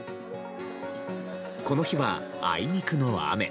この日は、あいにくの雨。